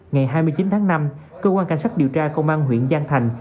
ngày hai mươi chín tháng năm cơ quan cảnh sát điều tra công an huyện giang thành